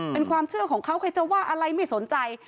เป็นความเชื่อของเขาใครจะว่าอะไรไม่สนใจ